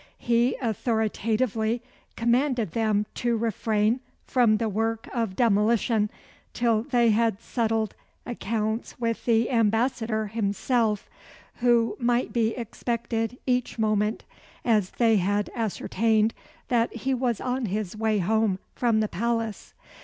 He authoritatively commanded them to refrain from the work of demolition till they had settled accounts with the ambassador himself, who might be expected each moment, as they had ascertained that he was on his way home from the palace.